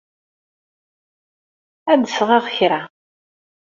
Ad d-sɣeɣ kra.